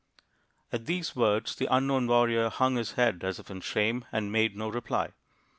At these words the unknown warrior hung his head as if in shame, and made no reply.